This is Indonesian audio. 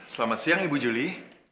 selamat siang ibu juli